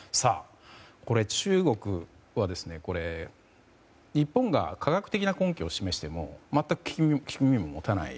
これ、中国は日本が科学的な根拠を示しても全く聞く耳を持たない。